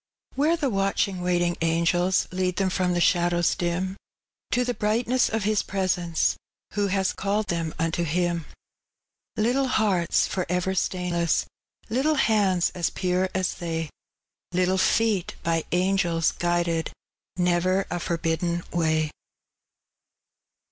Whsre the watchiD};, waitiag angela Lead them trom tho ihadowg dim, To the brightaesa of His presence Who bea called thom nnto Him,— Little hearts for ever Btainlesg, Little hands aa pure aa they. Little feet by angels guided, Never ft forbidden waj.